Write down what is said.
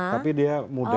tapi dia muda